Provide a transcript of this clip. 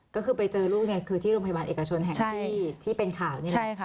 ก็คือไปเจอลูกเนี่ยคือที่โรงพยาบาลเอกชนแห่งที่เป็นข่าวนี่แหละ